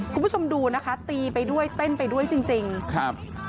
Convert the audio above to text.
คุณผู้ชมดูนะคะตีไปด้วยเต้นไปด้วยจริงจริงครับ